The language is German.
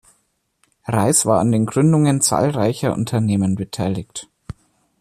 Reiß war an den Gründungen zahlreicher Unternehmen beteiligt.